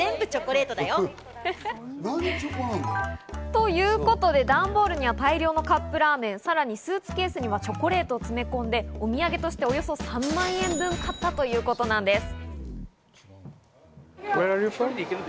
ということで、段ボールには大量のカップラーメン、さらにスーツケースにはチョコレートを詰め込んで、お土産としておよそ３万円分買ったということです。